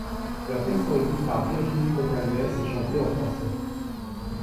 Leurs textes sont écrits par Virginie Goncalves et chantés en français.